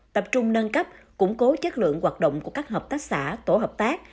tập trung nâng cấp củng cố chất lượng hoạt động của các hợp tác xã tổ hợp tác